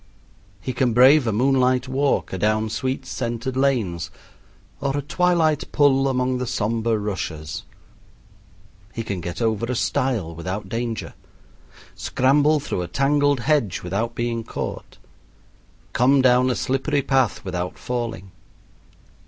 He can brave a moonlight walk adown sweet scented lanes or a twilight pull among the somber rushes. He can get over a stile without danger, scramble through a tangled hedge without being caught, come down a slippery path without falling.